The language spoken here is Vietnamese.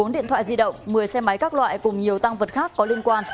bốn điện thoại di động một mươi xe máy các loại cùng nhiều tăng vật khác có liên quan